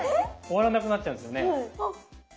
終わらなくなっちゃうんですよね。